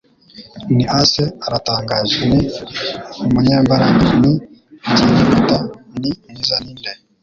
Ni Ace, Aratangaje, Ni Umunyembaraga, Ni Byihuta, Ni mwiza Ni nde?